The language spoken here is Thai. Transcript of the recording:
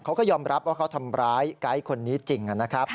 เขาก็ยอมรับว่าเขาทำร้ายไกด์คนนี้จริงนะครับ